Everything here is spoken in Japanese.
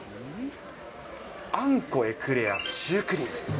あんこ、エクレア、シュークリーム。